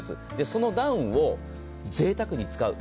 そのダウンをぜいたくに使う。